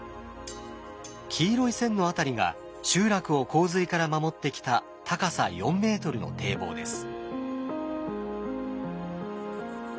黄色い線の辺りが集落を洪水から守ってきた高さ４ｍの堤防です。